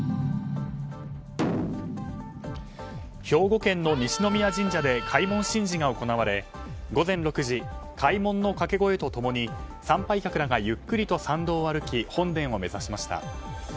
兵庫県の西宮神社で開門神事が行われ午前６時、開門の掛け声と共に参拝客らがゆっくりと参道を歩き本殿を目指しました。